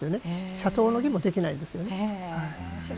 社頭の儀もできないんですよね。